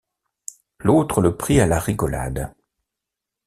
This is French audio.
L’autre le prit à la rigolade.